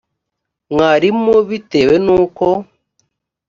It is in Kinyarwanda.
mwarimu bitewe n’uko